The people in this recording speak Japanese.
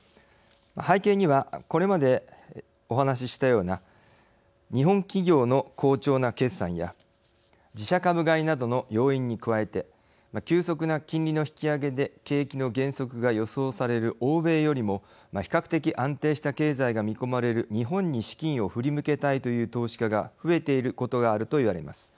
背景にはこれまでお話ししたような日本企業の好調な決算や自社株買いなどの要因に加えて急速な金利の引き上げで景気の減速が予想される欧米よりも比較的安定した経済が見込まれる日本に、資金を振り向けたいという投資家が増えていることがあるといわれます。